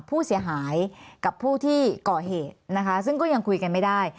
ผู้เสียหายกับผู้ที่ก่อเหตุนะคะซึ่งก็ยังคุยกันไม่ได้